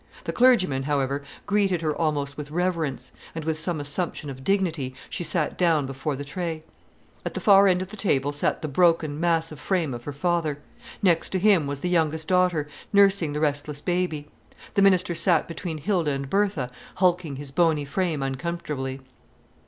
The clergyman, however, greeted her almost with reverence, and, with some assumption of dignity, she sat down before the tray. At the far end of the table sat the broken, massive frame of her father. Next to him was the youngest daughter, nursing the restless baby. The minister sat between Hilda and Bertha, hulking his bony frame uncomfortably.